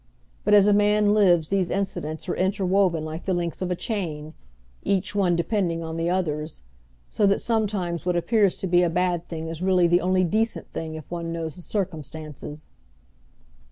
But as a man lives these incidents are interwoven like the links of a chain, each one depending on the others, so that sometimes what appears to be a bad thing is really the only decent thing if one knows the circumstances."